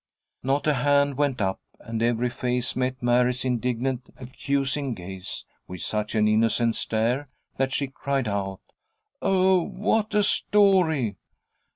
Not a hand went up, and every face met Mary's indignant accusing gaze with such an innocent stare that she cried out: "Oh, what a story!"